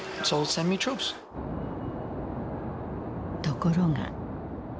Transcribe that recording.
ところが。